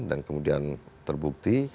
dan kemudian terbukti